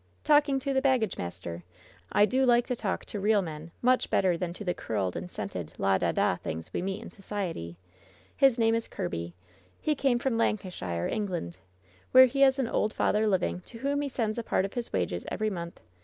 "Talking to the baggage master. I do like to talk to real men much better than to the curled and scented la da da things we meet in society. His name is Kirby. He came from Lancashire, England, where he has an old father living, to whom he sends a part of his wages every month.